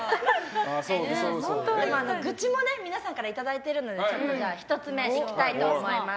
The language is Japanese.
では、愚痴も皆さんからいただいているので１つ目、いきたいと思います。